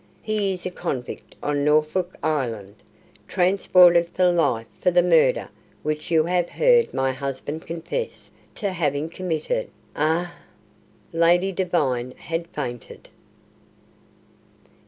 He is a convict at Norfolk Island, transported for life for the murder which you have heard my husband confess to having committed Ah! " Lady Devine had fainted.